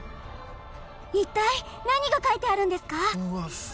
一体何が書いてあるんですか？